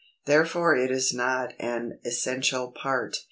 Therefore it is not an essential part.